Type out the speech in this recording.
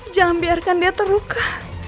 jangan biarkan dia terluka